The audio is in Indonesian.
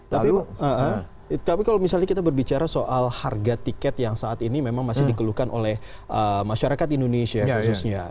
tapi kalau misalnya kita berbicara soal harga tiket yang saat ini memang masih dikeluhkan oleh masyarakat indonesia khususnya